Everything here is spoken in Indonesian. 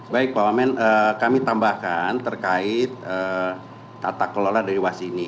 baik pak wamen kami tambahkan terkait tata kelola dari wasi ini